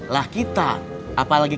lah kita apalagi